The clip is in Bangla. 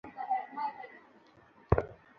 কবিতাটাও আমার মনে আছে।